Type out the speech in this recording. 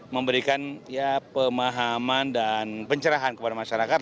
memberikan pemahaman dan pencerahan kepada masyarakat